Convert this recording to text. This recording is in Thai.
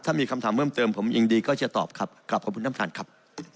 ถ้ามีคำถามเพิ่มเติมผมยินดีก็จะตอบครับกลับขอบคุณท่านประธานครับ